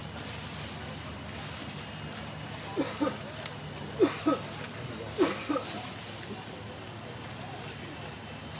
สวัสดีครับทุกคน